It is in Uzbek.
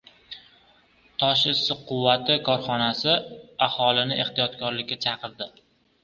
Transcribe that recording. “Toshissiqquvvati” korxonasi aholini ehtiyotkorlikka chaqirdi